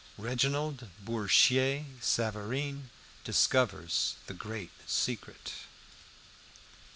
REGINALD BOURCHIER SAVAREEN DISCOVERS THE GREAT SECRET.